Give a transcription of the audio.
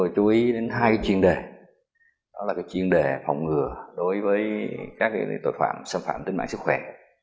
chú ý đến hai chuyên đề đó là chuyên đề phòng ngừa đối với các tội phạm xâm phạm tính mạng sức khỏe